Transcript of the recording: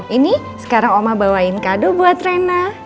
ini sekarang oma bawain kado buat reina